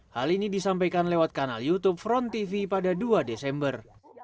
hal ini disampaikan lewat kanal youtube front tv pada dua desember